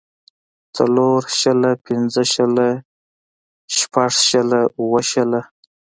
څلور شله پنځۀ شله شټږ شله اووه شله